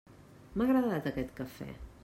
M'ha agradat aquest cafè!